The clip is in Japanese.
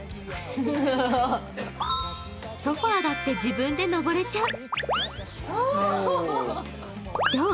ソファーだって自分で上れちゃう。